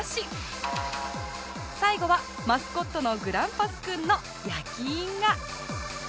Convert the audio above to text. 最後はマスコットのグランパスくんの焼き印が